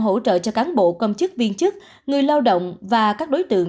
hỗ trợ cho cán bộ công chức viên chức người lao động và các đối tượng